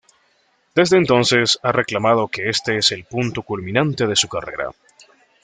Desde entonces, ha reclamado que este es el punto culminante de su carrera.